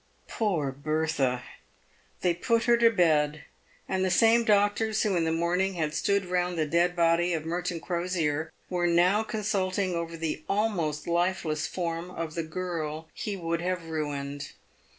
Poor Bertha ! They put her to bed, and the same doctors who in the morning had stood around the dead body of Merton Crosier were now consulting over the almost lifeless form of the girl he wouljl'have ruined.